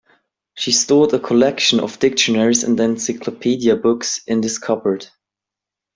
She stored a collection of dictionaries and encyclopedia books in this cupboard.